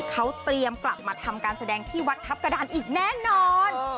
เขาเตรียมกลับมาทำการแสดงที่วัดทัพกระดานอีกแน่นอน